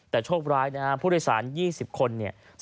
แต่โชคร้ายพูดไลฟ์สารที่๒๐คนสำลักขวัญงานซะก่อน